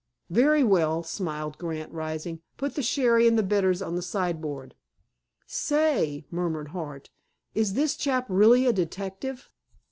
"Very well," smiled Grant, rising. "Put the sherry and bitters on the sideboard." "Say," murmured Hart, "is this chap really a detective?"